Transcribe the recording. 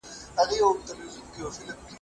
کتابونه موږ ته وایي چی کلتور مه هېروئ.